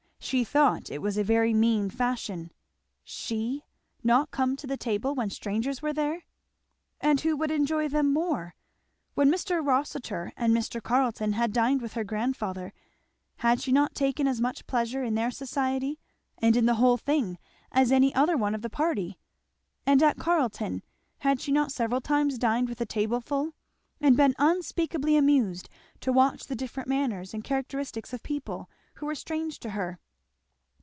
She thought it was a very mean fashion. She not come to the table when strangers were there! And who would enjoy them more? When Mr. Rossitur and Mr Carleton had dined with her grandfather, had she not taken as much pleasure in their society, and in the whole thing, as any other one of the party? And at Carleton, had she not several times dined with a tableful, and been unspeakably amused to watch the different manners and characteristics of people who were strange to her?